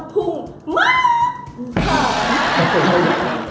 สุดยอด